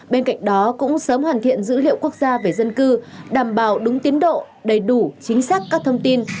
bên cạnh đó cũng sớm hoàn thiện dữ liệu quốc gia về dân cư đảm bảo đúng tiến độ đầy đủ chính xác các thông tin